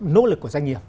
nỗ lực của doanh nghiệp